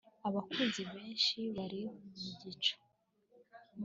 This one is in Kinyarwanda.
abakunzi benshi bari mu gico